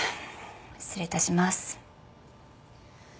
失礼いたします。